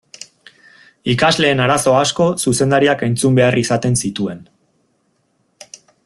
Ikasleen arazo asko zuzendariak entzun behar izaten zituen.